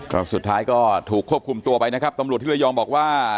ก็สุดท้ายก็ถูกควบคุมตัวไปนะครับตำรวจที่ระยองบอกว่า